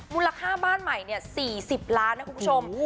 มูลค่าบ้านใหม่๔๐ล้านนะคุณผู้ชม